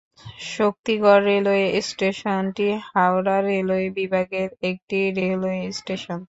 Shaktigarh railway স্টেশনটি Howrah railway বিভাগের একটি রেলওয়ে স্টেশন।